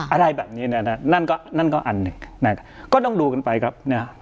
อะไรแบบนี้นะคะก็ต้องดูกันไปครับ